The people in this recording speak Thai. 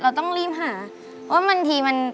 เราต้องรีบหาว่าบางทีมัน